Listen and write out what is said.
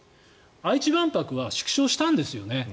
愛知万博は縮小したんですよね。